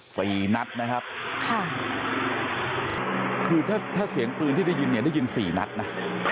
สี่นัดนะครับค่ะคือถ้าถ้าเสียงปืนที่ได้ยินเนี่ยได้ยินสี่นัดนะ